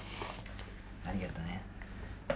ありがとうね。